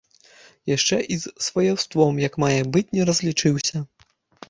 Яшчэ з сваяўством як мае быць не разлічыўся.